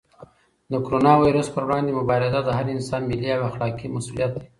د کرونا وېروس پر وړاندې مبارزه د هر انسان ملي او اخلاقي مسؤلیت دی.